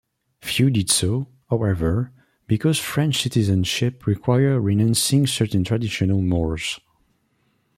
Few did so, however, because French citizenship required renouncing certain traditional mores.